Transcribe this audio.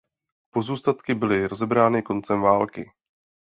Pozůstatky byly rozebrány koncem války.